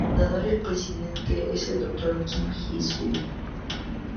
El fundador y el presidente es el Dr. Kim Hee-soo.